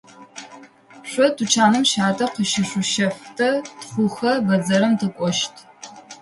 Шъо тучаным щатэ къыщышъущэф, тэ тхъухьэ бэдзэрым тыкӏощт.